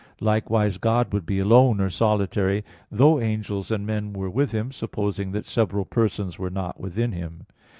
Likewise, God would be alone or solitary, though angels and men were with Him, supposing that several persons were not within Him.